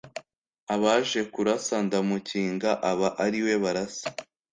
Abaje kurasa ndamukinga aba ariwe barasa